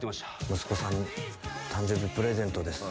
「息子さんに誕生日プレゼントです。